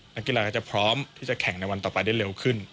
นักกีฬาก็จะพร้อมที่จะแข่งในวันต่อไปได้เร็วขึ้น